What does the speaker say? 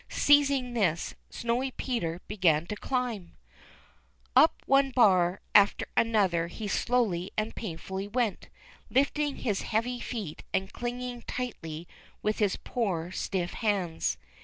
Seizing this, Snowy Peter began to climb ! Up one bar after another he slowly and painfully went, lifting his heavy feet and clinging tightly with his poor, stiff hands.